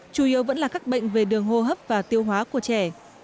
chủ yếu vẫn là các bệnh về đường hô hấp và tiêu hóa của trẻ